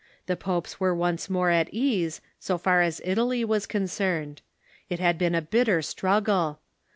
The popes were once more at ease, so far as Italy was concerned. It had been a bitter struggle.